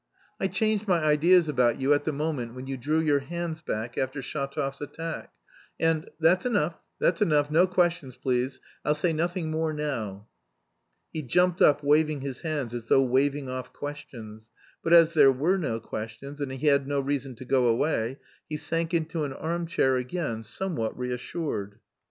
"I changed my ideas about you at the moment when you drew your hands back after Shatov's attack, and, that's enough, that's enough, no questions, please, I'll say nothing more now." He jumped up, waving his hands as though waving off questions. But as there were no questions, and he had no reason to go away, he sank into an arm chair again, somewhat reassured.